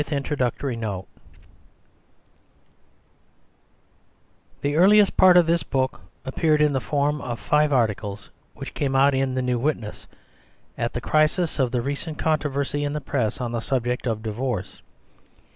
Introductory Note The earlier part of this book appeared in the form of five articles which came out in the "New Witness" at the crisis of the recent controversy in the Press on the subject of divorce.